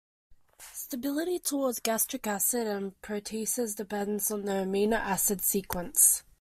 Stability towards gastric acid and proteases depends on the amino acid sequence.